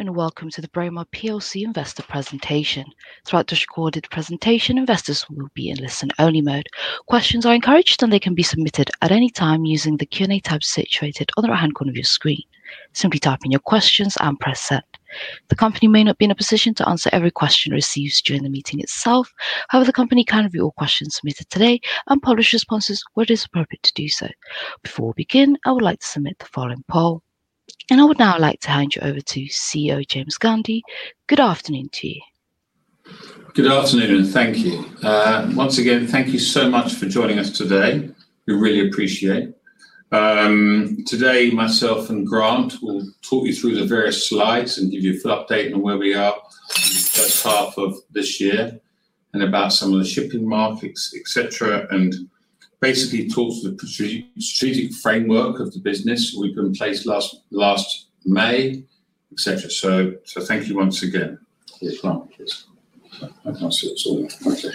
Welcome to the Braemar investor presentation. Throughout this recorded presentation, investors will be in listen-only mode. Questions are encouraged, and they can be submitted at any time using the Q&A tab situated on the right-hand corner of your screen. Simply type in your questions and press send. The company may not be in a position to answer every question received during the meeting itself. However, the company can review all questions submitted today and publish responses where it is appropriate to do so. Before we begin, I would like to submit the following poll, and I would now like to hand you over to CEO James Gundy. Good afternoon to you. Good afternoon, and thank you. Once again, thank you so much for joining us today. We really appreciate it. Today, myself and Grant will talk you through the various slides and give you a full update on where we are in the first half of this year and about some of the shipping markets, etc., and basically talk to the strategic framework of the business we have in place last May, etc. Thank you once again. Yes, Grant, please. I can't see what's on there.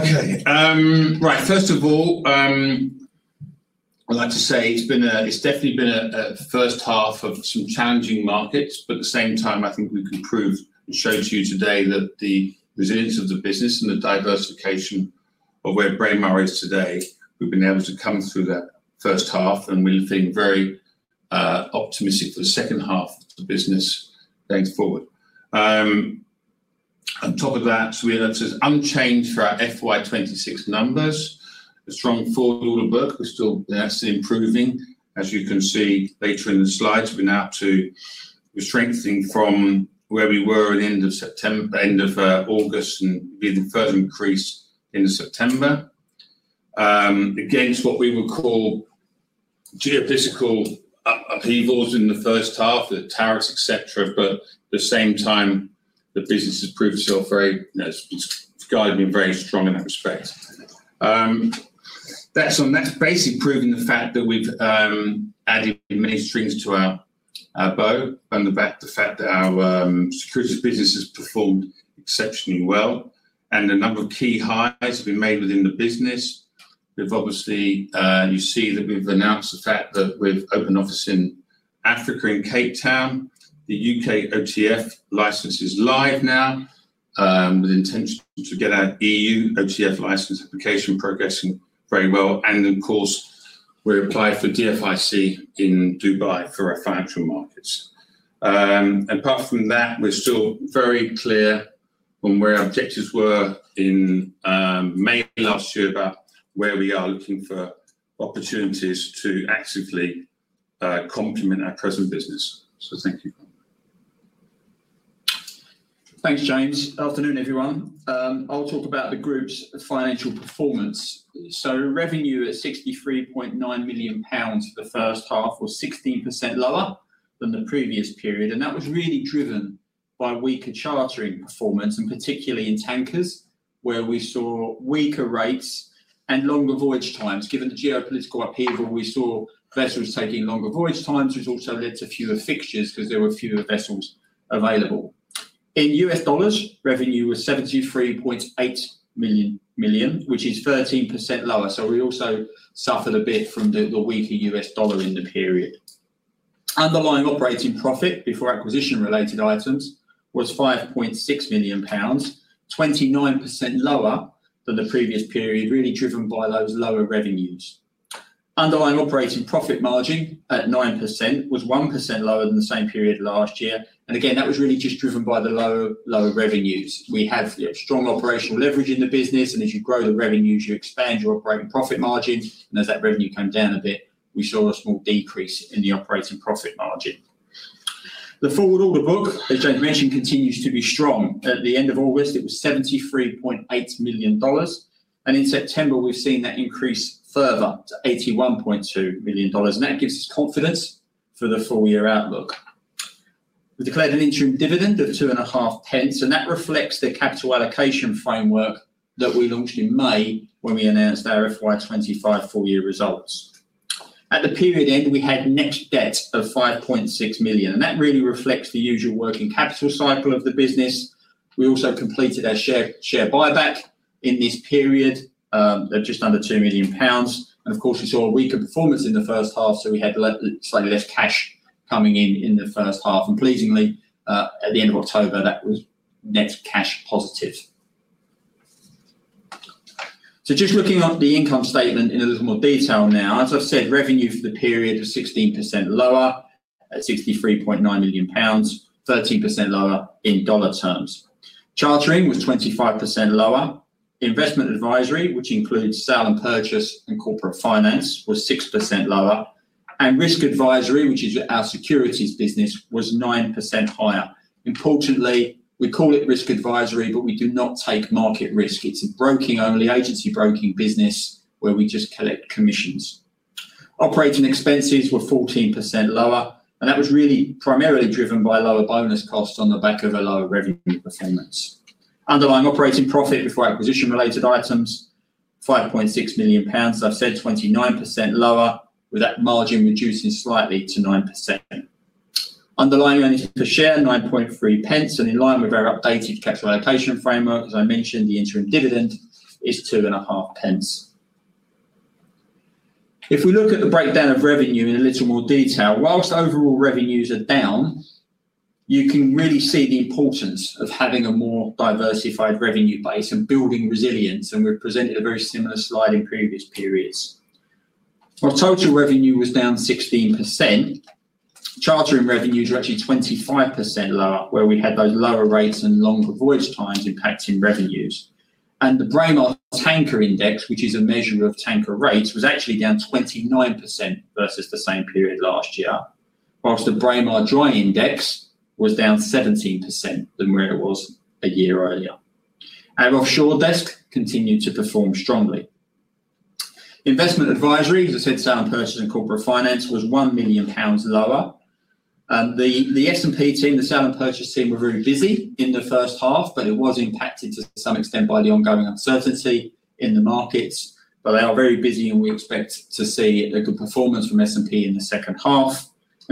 Okay. Okay. Right. First of all, I'd like to say it's definitely been a first half of some challenging markets, but at the same time, I think we can prove and show to you today that the resilience of the business and the diversification of where Braemar is today, we've been able to come through that first half, and we're feeling very optimistic for the second half of the business going forward. On top of that, we're unchanged for our FY2026 numbers, a strong forward order book. We're still improving, as you can see later in the slides. We're now up to, we're strengthening from where we were at the end of September, end of August, and be the first increase in September. Against what we would call. Geophysical upheavals in the first half, the tariffs, etc., but at the same time, the business has proved itself very guided and very strong in that respect. That is basically proving the fact that we have added many strings to our bow, and the fact that our securities business has performed exceptionally well, and a number of key highs have been made within the business. Obviously, you see that we have announced the fact that we have opened office in Africa in Cape Town. The U.K. OTF license is live now. With intention to get our EU OTF license application progressing very well. Of course, we apply for DIFC in Dubai for our financial markets. Apart from that, we are still very clear on where our objectives were in May last year about where we are looking for opportunities to actively complement our present business. Thank you. Thanks, James. Afternoon, everyone. I'll talk about the group's financial performance. Revenue at 63.9 million pounds for the first half was 16% lower than the previous period, and that was really driven by weaker chartering performance, and particularly in tankers, where we saw weaker rates and longer voyage times. Given the geopolitical upheaval, we saw vessels taking longer voyage times, which also led to fewer fixtures because there were fewer vessels available. In US dollars, revenue was $73.8 million, which is 13% lower. We also suffered a bit from the weaker US dollar in the period. Underlying operating profit before acquisition-related items was 5.6 million pounds, 29% lower than the previous period, really driven by those lower revenues. Underlying operating profit margin at 9% was 1% lower than the same period last year. That was really just driven by the lower revenues. We have strong operational leverage in the business, and as you grow the revenues, you expand your operating profit margin. As that revenue came down a bit, we saw a small decrease in the operating profit margin. The forward order book, as James mentioned, continues to be strong. At the end of August, it was $73.8 million. In September, we have seen that increase further to $81.2 million. That gives us confidence for the full-year outlook. We declared an interim dividend of 0.025, and that reflects the capital allocation framework that we launched in May when we announced our 2025 full-year results. At the period end, we had net debt of 5.6 million, and that really reflects the usual working capital cycle of the business. We also completed our share buyback in this period of just under 2 million pounds. Of course, we saw a weaker performance in the first half, so we had slightly less cash coming in in the first half. Pleasingly, at the end of October, that was net cash positive. Just looking at the income statement in a little more detail now, as I've said, revenue for the period was 16% lower at 63.9 million pounds, 13% lower in dollar terms. Chartering was 25% lower. Investment advisory, which includes sale and purchase and corporate finance, was 6% lower. Risk advisory, which is our securities business, was 9% higher. Importantly, we call it risk advisory, but we do not take market risk. It's a broking-only, agency-broking business where we just collect commissions. Operating expenses were 14% lower, and that was really primarily driven by lower bonus costs on the back of a lower revenue performance. Underlying operating profit before acquisition-related items, 5.6 million pounds, as I've said, 29% lower, with that margin reducing slightly to 9%. Underlying earnings per share, 9.3, and in line with our updated capital allocation framework, as I mentioned, the interim dividend is 0.025. If we look at the breakdown of revenue in a little more detail, whilst overall revenues are down. You can really see the importance of having a more diversified revenue base and building resilience, and we've presented a very similar slide in previous periods. Our total revenue was down 16%. Chartering revenues were actually 25% lower, where we had those lower rates and longer voyage times impacting revenues. The Braemar Tanker Index, which is a measure of tanker rates, was actually down 29% versus the same period last year, whilst the Braemar Dry Index was down 17% than where it was a year earlier. Our offshore desk continued to perform strongly. Investment advisory, as I said, sale and purchase and corporate finance was 1 million pounds lower. The S&P team, the sale and purchase team, were very busy in the first half, but it was impacted to some extent by the ongoing uncertainty in the markets. They are very busy, and we expect to see a good performance from S&P in the second half.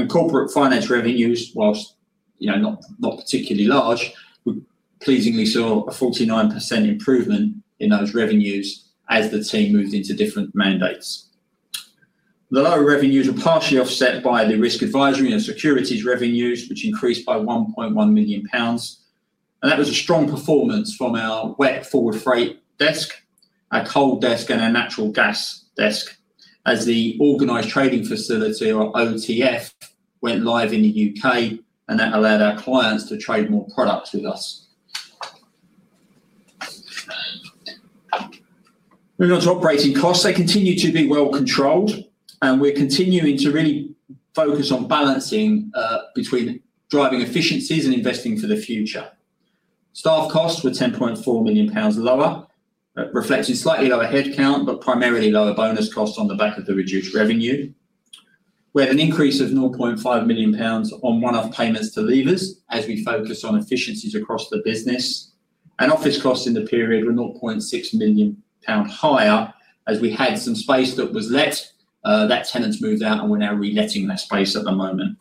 Corporate finance revenues, whilst not particularly large, we pleasingly saw a 49% improvement in those revenues as the team moved into different mandates. The lower revenues were partially offset by the risk advisory and securities revenues, which increased by 1.1 million pounds. That was a strong performance from our wet forward freight desk, our coal desk, and our natural gas desk as the Organised Trading Facility, or OTF, went live in the U.K., and that allowed our clients to trade more products with us. Moving on to operating costs, they continue to be well controlled, and we're continuing to really focus on balancing between driving efficiencies and investing for the future. Staff costs were 10.4 million pounds lower, reflecting slightly lower headcount, but primarily lower bonus costs on the back of the reduced revenue. We had an increase of 0.5 million pounds on one-off payments to leavers as we focused on efficiencies across the business. Office costs in the period were 0.6 million pound higher as we had some space that was let. That tenant's moved out, and we're now reletting that space at the moment.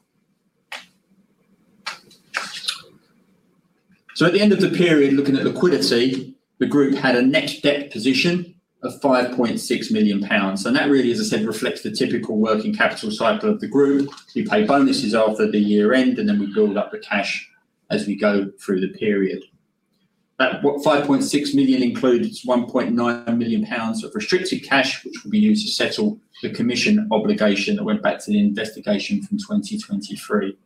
At the end of the period, looking at liquidity, the group had a net debt position of 5.6 million pounds. That really, as I said, reflects the typical working capital cycle of the group. We pay bonuses after the year-end, and then we build up the cash as we go through the period. That 5.6 million includes 1.9 million pounds of restricted cash, which will be used to settle the commission obligation that went back to the investigation from 2023.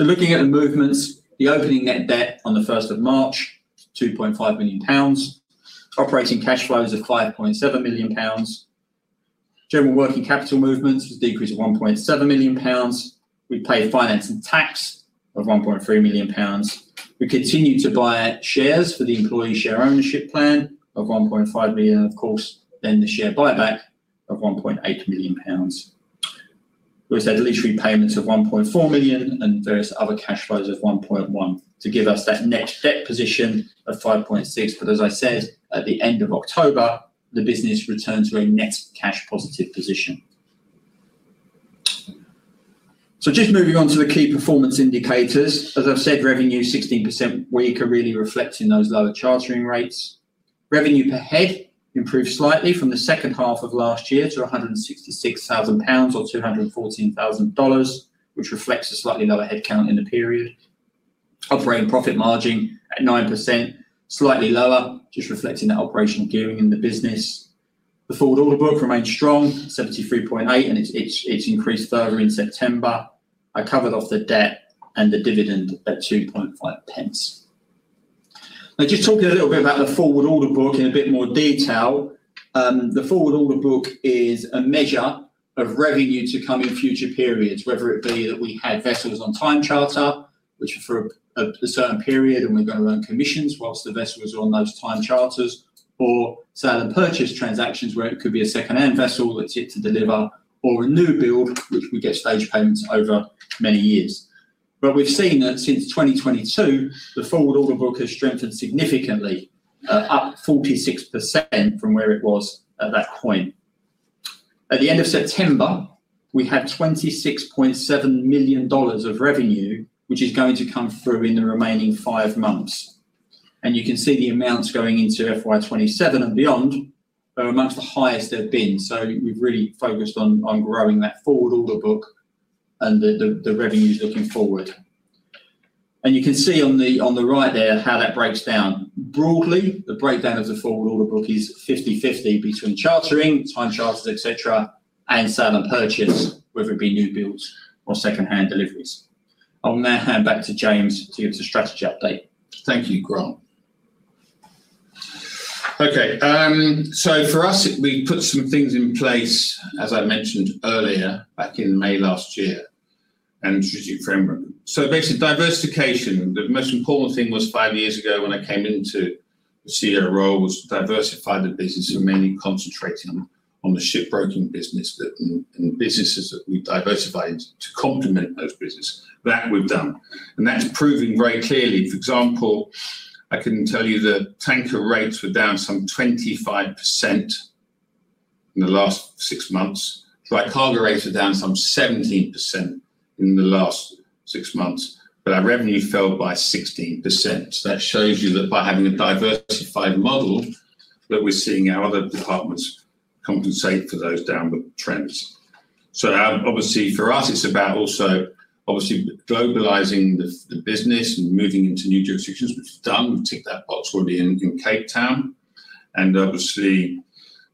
Looking at the movements, the opening net debt on the 1st of March, 2.5 million pounds. Operating cash flows of 5.7 million pounds. General working capital movements with a decrease of 1.7 million pounds. We paid finance and tax of 1.3 million pounds. We continue to buy shares for the employee share ownership plan of 1.5 million, and of course, the share buyback of 1.8 million pounds. have had lease repayments of 1.4 million and various other cash flows of 1.1 million to give us that net debt position of 5.6 million. As I said, at the end of October, the business returned to a net cash-positive position. Just moving on to the key performance indicators. As I have said, revenue 16% weaker, really reflecting those lower chartering rates. Revenue per head improved slightly from the second half of last year to 166,000 pounds or $214,000, which reflects a slightly lower headcount in the period. Operating profit margin at 9%, slightly lower, just reflecting that operational gearing in the business. The forward order book remained strong, $73.8 million, and it has increased further in September. I covered off the debt and the dividend at 2.5 million. Now, just talking a little bit about the forward order book in a bit more detail. The forward order book is a measure of revenue to come in future periods, whether it be that we had vessels on time charter, which were for a certain period, and we're going to earn commissions whilst the vessel was on those time charters, or sale and purchase transactions where it could be a second-hand vessel that's yet to deliver, or a new build, which we get stage payments over many years. We have seen that since 2022, the forward order book has strengthened significantly, up 46% from where it was at that point. At the end of September, we had $26.7 million of revenue, which is going to come through in the remaining five months. You can see the amounts going into FY2027 and beyond are amongst the highest they have been. We have really focused on growing that forward order book and the revenues looking forward. You can see on the right there how that breaks down. Broadly, the breakdown of the forward order book is 50/50 between chartering, time charters, etc., and sale and purchase, whether it be new builds or second-hand deliveries. I'll now hand back to James to give us a strategy update. Thank you, Grant. Okay. For us, we put some things in place, as I mentioned earlier, back in May last year, and strategic framework. Basically, diversification, the most important thing was five years ago when I came into the CEO role, was to diversify the business and mainly concentrate on the ship broking business and the businesses that we diversified into to complement those businesses. That we have done. That is proving very clearly. For example, I can tell you the tanker rates were down some 25% in the last six months. Right, cargo rates are down some 17% in the last six months, but our revenue fell by 16%. That shows you that by having a diversified model we are seeing our other departments compensate for those downward trends. Obviously, for us, it's about also obviously globalizing the business and moving into new jurisdictions, which we've done. We've ticked that box already in Cape Town. The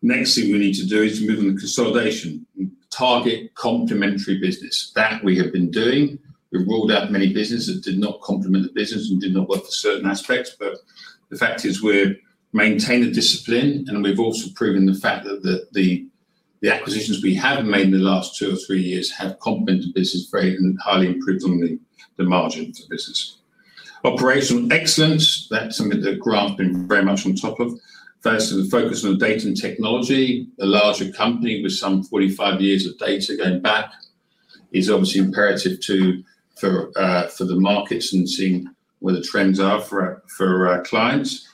next thing we need to do is to move on to consolidation, target complementary business. That we have been doing. We've ruled out many businesses that did not complement the business and did not work for certain aspects. The fact is we've maintained the discipline, and we've also proven the fact that the acquisitions we have made in the last two or three years have complemented the business very and highly improved on the margin for business. Operational excellence, that's something that Grant's been very much on top of. First, the focus on data and technology, a larger company with some 45 years of data going back, is obviously imperative for. The markets and seeing where the trends are for our clients.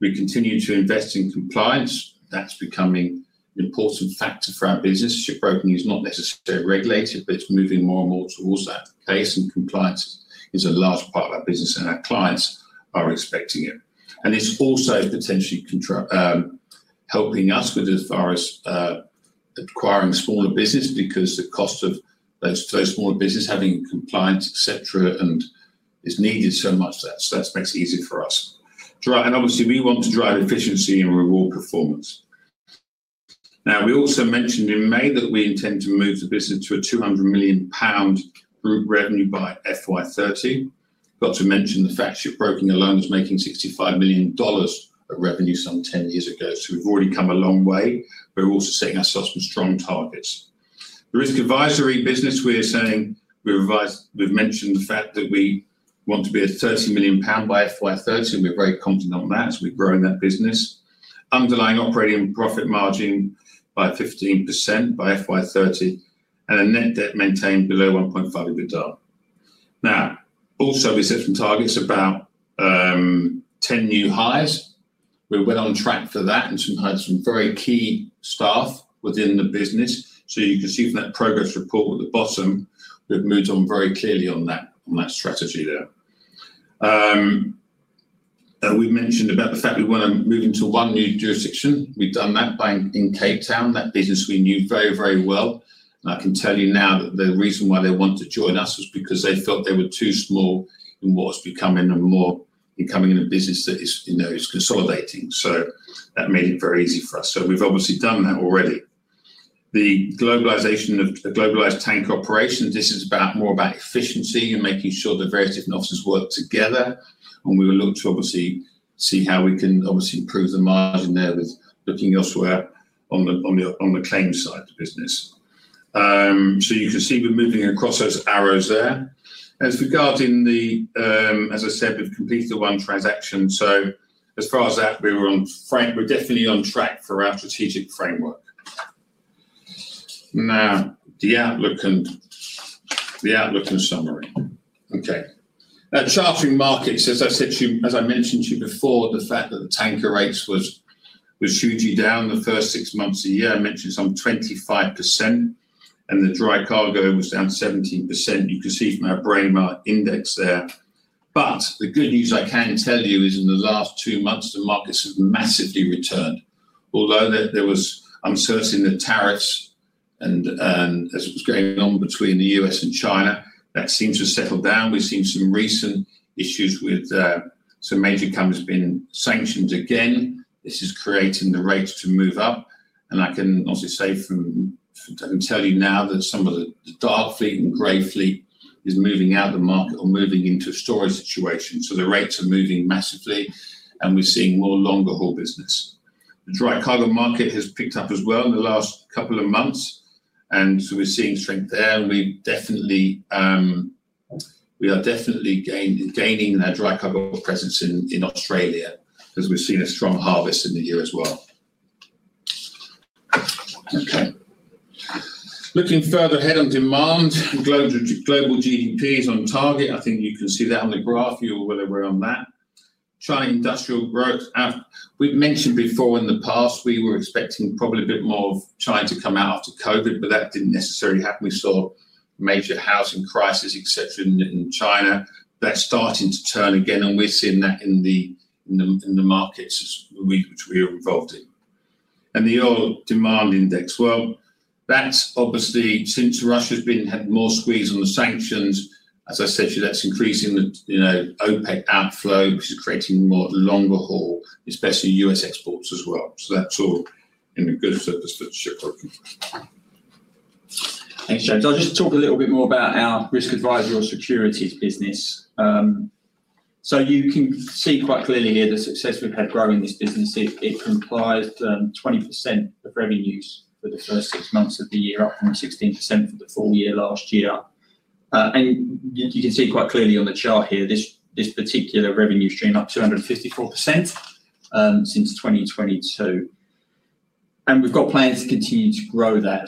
We continue to invest in compliance. That is becoming an important factor for our business. Ship broking is not necessarily regulated, but it is moving more and more towards that pace, and compliance is a large part of our business, and our clients are expecting it. It is also potentially helping us with, as far as, acquiring smaller business because the cost of those smaller businesses having compliance, etc., is needed so much that that makes it easier for us. Obviously, we want to drive efficiency and reward performance. We also mentioned in May that we intend to move the business to 200 million pound group revenue by FY2030. I have to mention the fact ship broking alone is making $65 million of revenue some 10 years ago. We have already come a long way, but we are also setting ourselves some strong targets. The risk advisory business, we are saying we have mentioned the fact that we want to be at 30 million pound by FY2030, and we are very confident on that as we are growing that business. Underlying operating profit margin by 15% by FY2030, and a net debt maintained below 1.5 if we are done. Now, also we set some targets about 10 new hires. We went on track for that and had some very key staff within the business. You can see from that progress report at the bottom, we have moved on very clearly on that strategy there. We mentioned about the fact we want to move into one new jurisdiction. We have done that bank in Cape Town, that business we knew very, very well. I can tell you now that the reason why they want to join us was because they felt they were too small in what was becoming a more, becoming a business that is consolidating. That made it very easy for us. We have obviously done that already. The globalised tanker operation, this is more about efficiency and making sure the various different offices work together. We will look to see how we can improve the margin there with looking elsewhere on the claims side of the business. You can see we are moving across those arrows there. As I said, we have completed the one transaction. As far as that, we are definitely on track for our strategic framework. Now, the outlook and summary. Chartering markets, as I mentioned to you before, the fact that the tanker rates were. Hugely down the first six months of the year, I mentioned some 25%. The dry cargo was down 17%. You can see from our Braemar index there. The good news I can tell you is in the last two months, the markets have massively returned. Although there was uncertainty in the tariffs as it was going on between the U.S. and China, that seems to have settled down. We've seen some recent issues with some major companies being sanctioned again. This is creating the rates to move up. I can obviously say and tell you now that some of the dark fleet and gray fleet is moving out of the market or moving into a storage situation. The rates are moving massively, and we're seeing more longer-haul business. The dry cargo market has picked up as well in the last couple of months. We are seeing strength there. We are definitely gaining our dry cargo presence in Australia because we've seen a strong harvest in the year as well. Looking further ahead on demand, global GDP is on target. I think you can see that on the graph, whether we're on that China industrial growth. We've mentioned before in the past, we were expecting probably a bit more of China to come out after COVID, but that did not necessarily happen. We saw major housing crisis, etc., in China. That is starting to turn again, and we're seeing that in the markets which we are involved in. The oil demand index, well, that is obviously since Russia has been having more squeeze on the sanctions, as I said to you, that is increasing the OPEC outflow, which is creating more longer-haul, especially US exports as well. That's all in the good for the ship broking. Thanks, James. I'll just talk a little bit more about our risk advisory or securities business. You can see quite clearly here the success we've had growing this business. It implies 20% of revenues for the first six months of the year, up from 16% for the full year last year. You can see quite clearly on the chart here, this particular revenue stream up 254% since 2022. We've got plans to continue to grow that.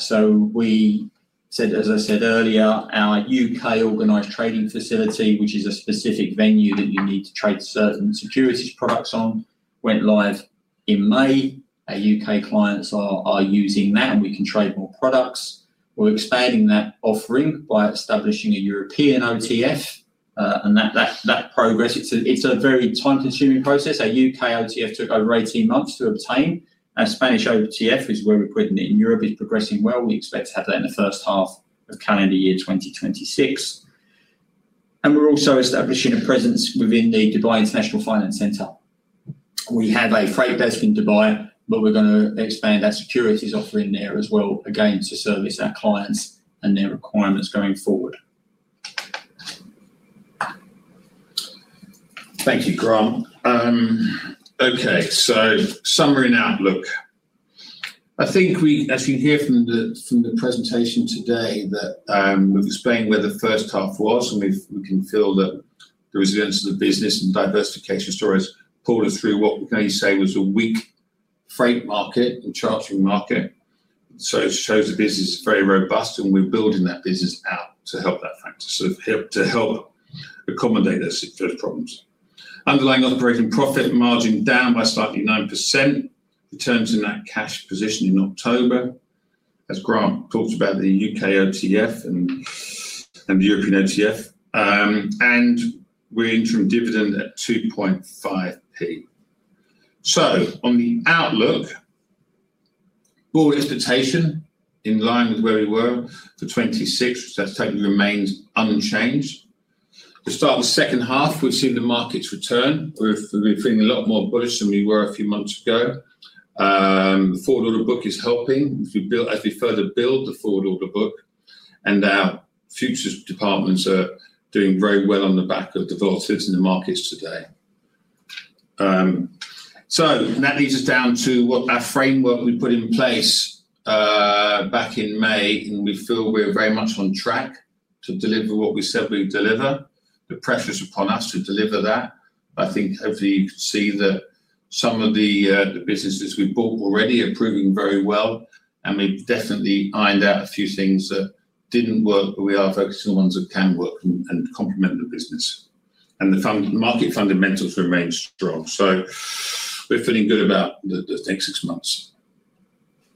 As I said earlier, our U.K. Organised Trading Facility, which is a specific venue that you need to trade certain securities products on, went live in May. Our U.K. clients are using that, and we can trade more products. We're expanding that offering by establishing a European OTF. That progress, it's a very time-consuming process. Our U.K. OTF took over 18 months to obtain. Our Spanish OTF, which is where we're putting it in Europe, is progressing well. We expect to have that in the first half of calendar year 2026. We are also establishing a presence within the Dubai International Financial Centre. We have a freight desk in Dubai, but we're going to expand our securities offering there as well, again, to service our clients and their requirements going forward. Thank you, Grant. Okay. Summary and outlook. I think we, as you can hear from the presentation today, that we've explained where the first half was, and we can feel that the resilience of the business and diversification stories pulled us through what we can only say was a weak freight market, a chartering market. It shows the business is very robust, and we're building that business out to help that factor, to help accommodate those problems. Underlying operating profit margin down by slightly 9%. Returns in that cash position in October, as Grant talked about the U.K. OTF and the European OTF. We're in terms of dividend at 0.025. On the outlook, more expectation in line with where we were for 2026, which that's technically remained unchanged. To start the second half, we've seen the markets return. We're feeling a lot more bullish than we were a few months ago. The forward order book is helping as we further build the forward order book. Our futures departments are doing very well on the back of the volatility in the markets today. That leads us down to what our framework we put in place back in May, and we feel we're very much on track to deliver what we said we'd deliver. The pressure is upon us to deliver that. I think hopefully you can see that some of the businesses we bought already are proving very well. We've definitely ironed out a few things that did not work, but we are focusing on ones that can work and complement the business. The market fundamentals remain strong. We're feeling good about the next six months.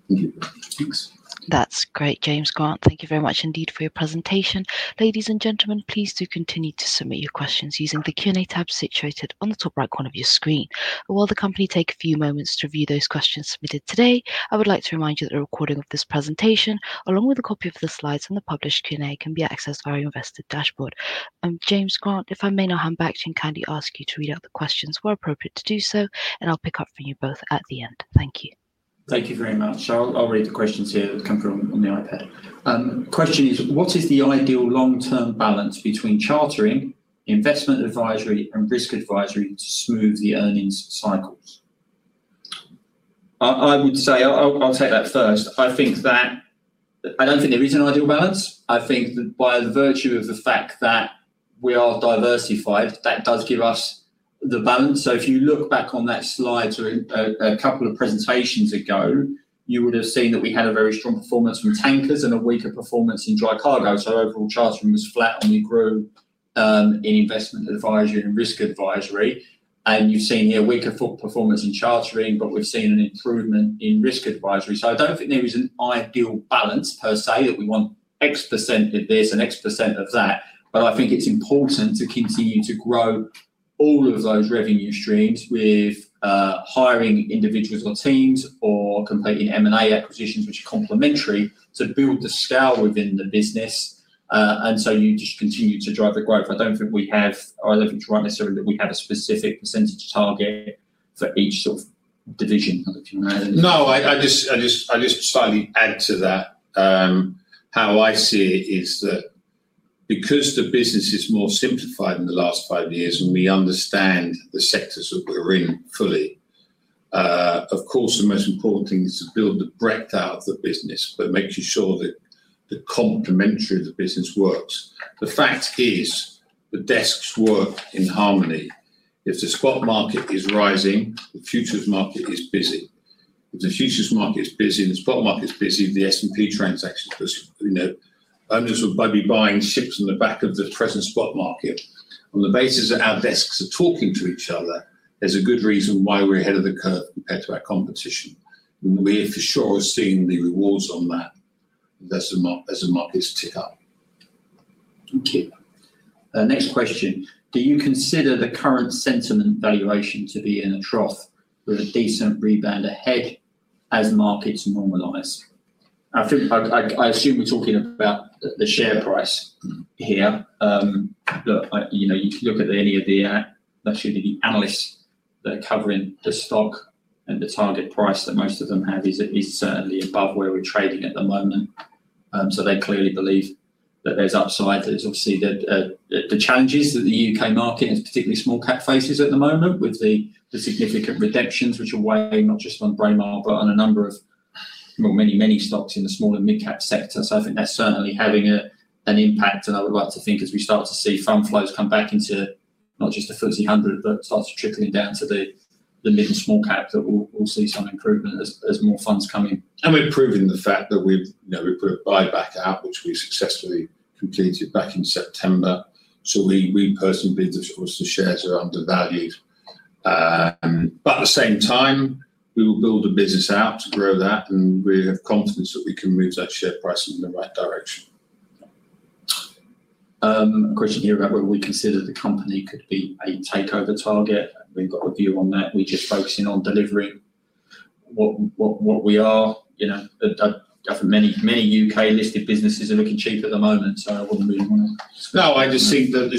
Thank you. Thanks. That's great, James, Grant. Thank you very much indeed for your presentation. Ladies and gentlemen, please do continue to submit your questions using the Q&A tab situated on the top right corner of your screen. While the company takes a few moments to review those questions submitted today, I would like to remind you that a recording of this presentation, along with a copy of the slides and the published Q&A, can be accessed via our invested dashboard. James, Grant, if I may now hand back to you and kindly ask you to read out the questions where appropriate to do so, and I'll pick up from you both at the end. Thank you. Thank you very much. I'll read the questions here that come from on the iPad. Question is, what is the ideal long-term balance between chartering, investment advisory, and risk advisory to smooth the earnings cycles? I would say, I'll take that first. I think that. I don't think there is an ideal balance. I think that by the virtue of the fact that we are diversified, that does give us the balance. If you look back on that slide to a couple of presentations ago, you would have seen that we had a very strong performance from tankers and a weaker performance in dry cargo. Overall chartering was flat when we grew in investment advisory and risk advisory. You've seen a weaker performance in chartering, but we've seen an improvement in risk advisory. I don't think there is an ideal balance per se that we want x percent of this and x percent of that. I think it's important to continue to grow all of those revenue streams with. Hiring individuals or teams or completing M&A acquisitions, which are complementary to build the scale within the business. You just continue to drive the growth. I do not think we have, or I do not think it is right necessarily that we have a specific percent target for each sort of division. No, I just slightly add to that. How I see it is that, because the business is more simplified in the last five years and we understand the sectors that we're in fully. Of course, the most important thing is to build the breadth out of the business, but making sure that the complementary of the business works. The fact is the desks work in harmony. If the spot market is rising, the futures market is busy. If the futures market is busy and the spot market is busy, the S&P transactions, the owners will be buying ships on the back of the present spot market. On the basis that our desks are talking to each other, there's a good reason why we're ahead of the curve compared to our competition. We for sure are seeing the rewards on that as the markets tick up. Thank you. Next question. Do you consider the current sentiment valuation to be in a trough with a decent rebound ahead as markets normalize? I assume we're talking about the share price here. Look, you can look at any of the, let's say, the analysts that are covering the stock and the target price that most of them have is certainly above where we're trading at the moment. So they clearly believe that there's upside. There's obviously the challenges that the U.K. market and particularly small cap faces at the moment with the significant redemptions, which are weighing not just on Braemar, but on a number of many, many stocks in the small and mid-cap sector. I think that's certainly having an impact. I would like to think as we start to see fund flows come back into not just the FTSE 100, but start to trickle down to the mid and small cap, that we'll see some improvement as more funds come in. We're proving the fact that we've put a buyback out, which we successfully completed back in September. We personally believe that the shares are undervalued. At the same time, we will build a business out to grow that, and we have confidence that we can move that share price in the right direction. A question here about whether we consider the company could be a takeover target. We've got a view on that. We're just focusing on delivering. What we are. Many U.K.-listed businesses are looking cheap at the moment, so I wouldn't really want to. No, I just think that the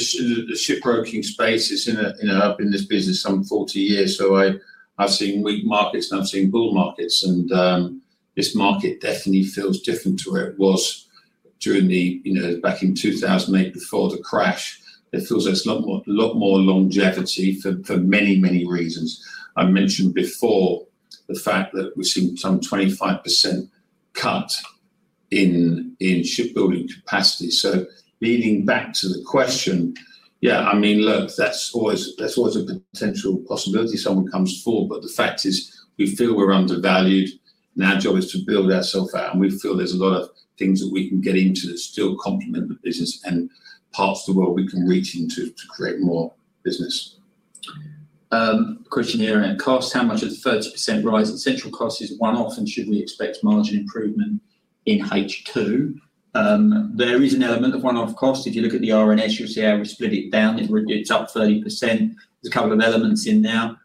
ship broking space is in a business for 40 years. I have seen weak markets and I have seen bull markets. This market definitely feels different to where it was back in 2008 before the crash. It feels there is a lot more longevity for many, many reasons. I mentioned before the fact that we have seen some 25% cut in shipbuilding capacity. Leading back to the question, yeah, I mean, look, that is always a potential possibility if someone comes forward. The fact is we feel we are undervalued. Our job is to build ourself out. We feel there are a lot of things that we can get into that still complement the business and parts of the world we can reach into to create more business. Question here at cost. How much of the 30% rise in central cost is one-off, and should we expect margin improvement in H2? There is an element of one-off cost. If you look at the R&S, you'll see how we split it down. It's up 30%. There's a couple of elements in there.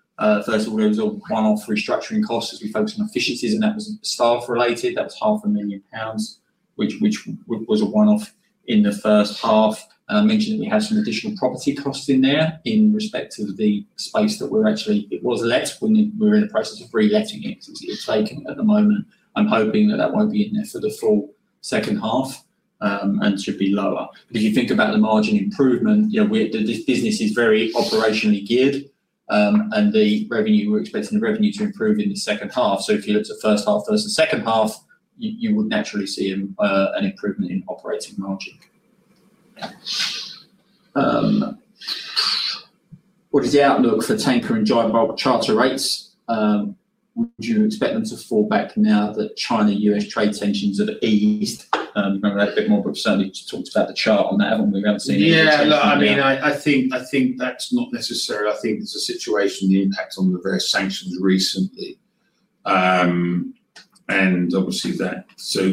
First of all, there was a one-off restructuring cost as we focused on efficiencies, and that was staff-related. That was GBP 500,000 which was a one-off in the first half. I mentioned that we had some additional property costs in there in respect to the space that we're actually, it was let when we were in the process of reletting it. It's taken at the moment. I'm hoping that that won't be in there for the full second half and should be lower. If you think about the margin improvement, this business is very operationally geared, and the revenue, we're expecting the revenue to improve in the second half. If you look at the first half versus the second half, you would naturally see an improvement in operating margin. What is the outlook for tanker and giant bulk charter rates? Would you expect them to fall back now that China-U.S. trade tensions are at ease? You've got a bit more, but certainly talked about the chart on that one. We haven't seen any change. Yeah, look, I mean, I think that's not necessary. I think it's a situation, the impact on the various sanctions recently. Obviously, that.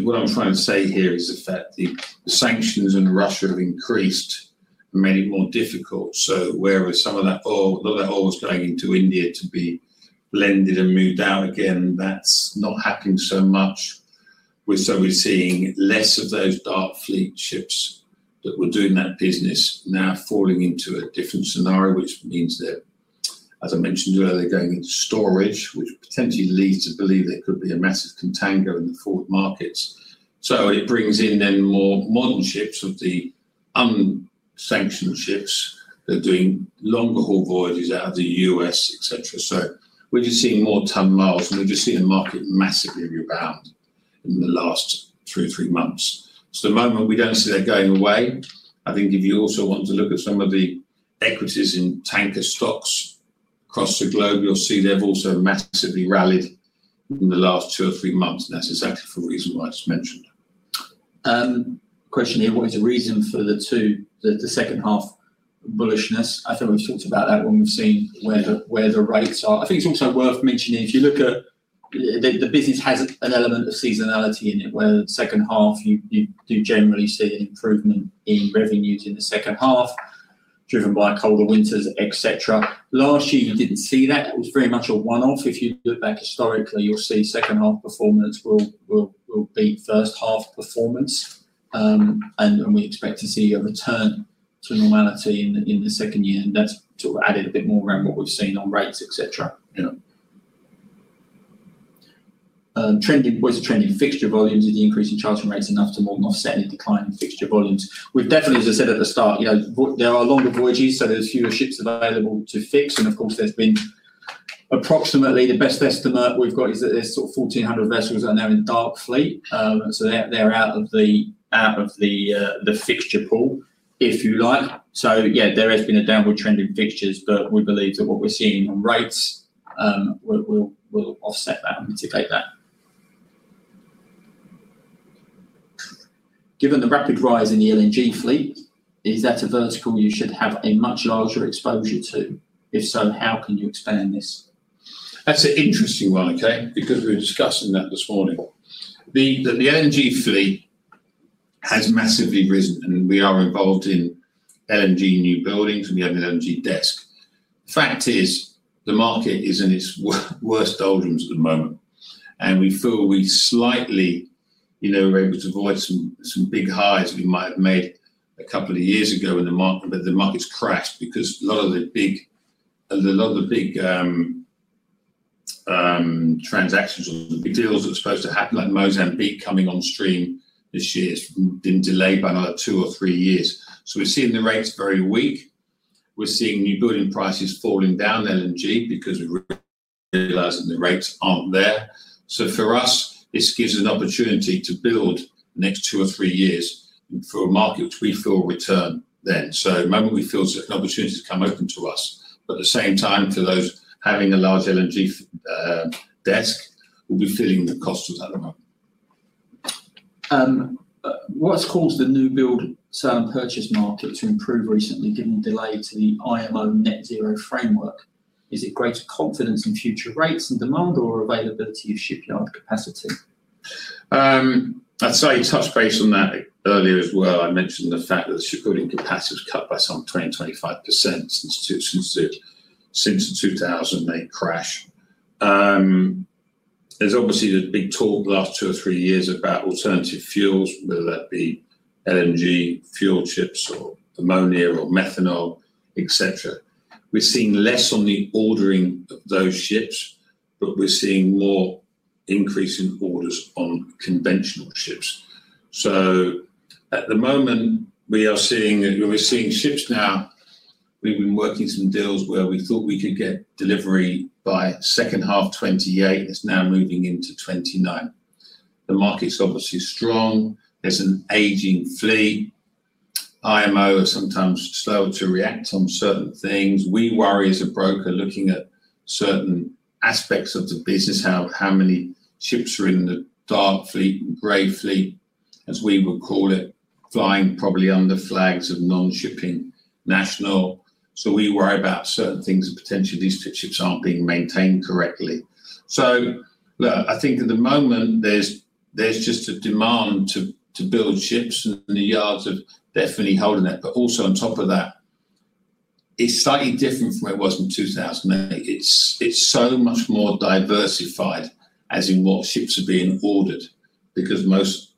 What I'm trying to say here is the fact that the sanctions on Russia have increased and made it more difficult. Whereas some of that oil, a lot of that oil was going into India to be blended and moved out again, that's not happening so much. We're seeing less of those dark fleet ships that were doing that business now falling into a different scenario, which means that, as I mentioned earlier, they're going into storage, which potentially leads to believe there could be a massive contango in the forward markets. It brings in then more modern ships of the unsanctioned ships that are doing longer haul voyages out of the U.S., etc. We're just seeing more ton miles, and we're just seeing the market massively rebound in the last two or three months. At the moment, we do not see that going away. I think if you also want to look at some of the equities in tanker stocks across the globe, you'll see they have also massively rallied in the last two or three months. That is exactly for the reason why it is mentioned. Question here. What is the reason for the second half bullishness? I think we've talked about that when we've seen where the rates are. I think it's also worth mentioning if you look at the business, it has an element of seasonality in it, where the second half, you do generally see an improvement in revenues in the second half, driven by colder winters, etc. Last year, you didn't see that. It was very much a one-off. If you look back historically, you'll see second-half performance will beat first-half performance. We expect to see a return to normality in the second year. That sort of added a bit more around what we've seen on rates, etc. Yeah. What is the trend in fixture volumes? Is the increase in charging rates enough to more than offset any decline in fixture volumes? We've definitely, as I said at the start, there are longer voyages, so there's fewer ships available to fix. Of course, there's been approximately the best estimate we've got is that there's sort of 1,400 vessels that are now in dark fleet. They're out of the fixture pool, if you like. Yeah, there has been a downward trend in fixtures, but we believe that what we're seeing on rates will offset that and mitigate that. Given the rapid rise in the LNG fleet, is that a vertical you should have a much larger exposure to? If so, how can you expand this? That's an interesting one, okay, because we were discussing that this morning. The LNG fleet has massively risen, and we are involved in LNG new buildings and we have an LNG desk. The fact is the market is in its worst doldrums at the moment. We feel we slightly were able to avoid some big highs we might have made a couple of years ago, but the market's crashed because a lot of the big transactions, deals that were supposed to happen, like Mozambique coming on stream this year, has been delayed by another two or three years. We are seeing the rates very weak. We are seeing new building prices falling down LNG because we are realizing the rates are not there. For us, this gives us an opportunity to build the next two or three years for a market which we feel will return then. At the moment, we feel certain opportunities come open to us, but at the same time, for those having a large LNG desk, we'll be feeling the cost of that at the moment. What's caused the new build sale and purchase market to improve recently given the delay to the IMO net zero framework? Is it greater confidence in future rates and demand or availability of shipyard capacity? I'd say touch base on that earlier as well. I mentioned the fact that the shipbuilding capacity was cut by some 20%-25% since 2000, the crash. There's obviously been talk the last two or three years about alternative fuels, whether that be LNG fuel ships or ammonia or methanol, etc. We're seeing less on the ordering of those ships, but we're seeing more increase in orders on conventional ships. At the moment, we are seeing ships now. We've been working some deals where we thought we could get delivery by second half 2028. It's now moving into 2029. The market's obviously strong. There's an aging fleet. IMO is sometimes slower to react on certain things. We worry as a broker looking at certain aspects of the business, how many ships are in the dark fleet and gray fleet, as we would call it, flying probably under flags of non-shipping national. We worry about certain things that potentially these ships aren't being maintained correctly. Look, I think at the moment, there's just a demand to build ships, and the yards are definitely holding that. Also, on top of that, it's slightly different from where it was in 2008. It's so much more diversified as in what ships are being ordered because most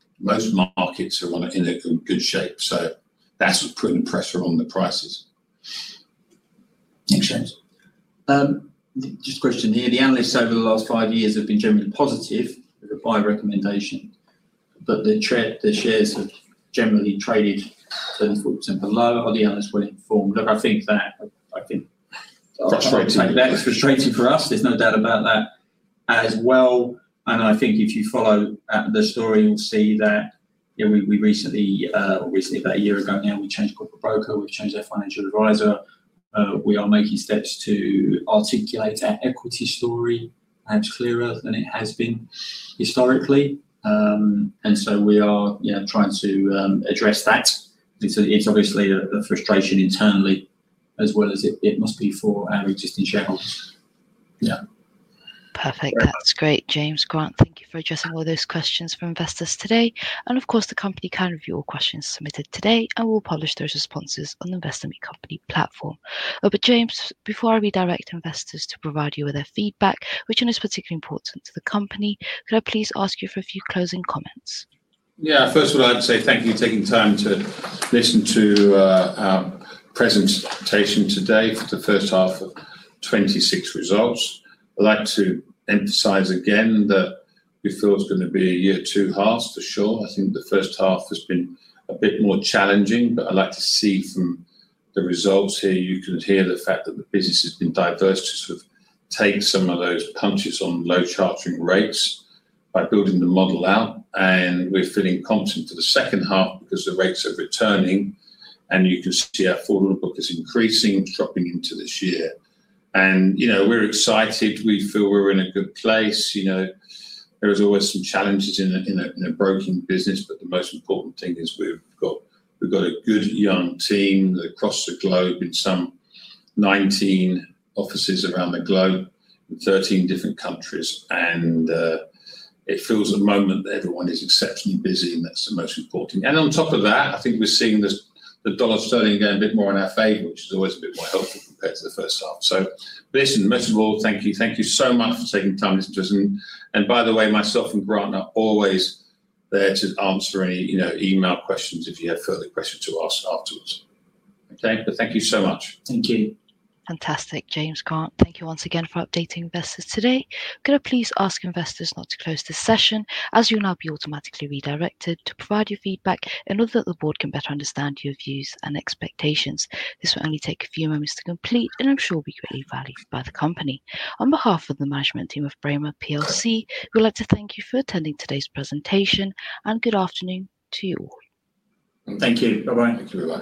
markets are in good shape. That's putting pressure on the prices. Thanks, James. Just a question here. The analysts over the last five years have been generally positive with the buy recommendation, but the shares have generally traded 34% below. Are the analysts well informed? Look, I think that. That's frustrating. That's frustrating for us. There's no doubt about that as well. I think if you follow the story, you'll see that. We recently, or recently about a year ago now, we changed corporate broker. We've changed our financial advisor. We are making steps to articulate our equity story perhaps clearer than it has been historically. We are trying to address that. It's obviously a frustration internally as well as it must be for our existing shareholders. Yeah. Perfect. That's great, James. Grant, thank you for addressing all those questions for investors today. Of course, the company can review all questions submitted today, and we'll publish those responses on the Investment Company platform. James, before I redirect investors to provide you with their feedback, which is particularly important to the company, could I please ask you for a few closing comments? Yeah. First of all, I'd say thank you for taking time to listen to our presentation today for the first half of 2026 results. I'd like to emphasize again that we feel it's going to be a year of two halves for sure. I think the first half has been a bit more challenging, but I'd like to see from the results here, you can hear the fact that the business has been diverse to sort of take some of those punches on low chartering rates by building the model out. We're feeling confident for the second half because the rates are returning, and you can see our forward book is increasing, dropping into this year. We're excited. We feel we're in a good place. There are always some challenges in a broking business, but the most important thing is we've got a good young team across the globe in 19 offices around the globe in 13 different countries. It feels at the moment that everyone is exceptionally busy, and that's the most important thing. On top of that, I think we're seeing the dollar starting to go a bit more in our favor, which is always a bit more helpful compared to the first half. Listen, most of all, thank you. Thank you so much for taking time to listen to us. By the way, myself and Grant are always there to answer any email questions if you have further questions to ask afterwards. Thank you so much. Thank you. Fantastic. James, Grant, thank you once again for updating investors today. I'm going to please ask investors not to close this session, as you'll now be automatically redirected to provide your feedback in order that the board can better understand your views and expectations. This will only take a few moments to complete, and I'm sure will be greatly valued by the company. On behalf of the management team of Braemar, we'd like to thank you for attending today's presentation, and good afternoon to you all. Thank you. Bye-bye. Thank you.